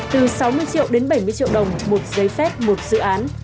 từ sáu mươi triệu đến bảy mươi triệu đồng một giấy phép một dự án